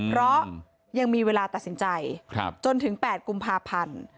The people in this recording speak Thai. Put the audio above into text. เพราะยังมีเวลาตัดสินใจจนถึง๘กุมภาพันธ์